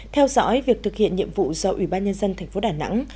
theo dõi việc thực hiện nhiệm vụ do ủy ban nhân dân thành phố đà nẵng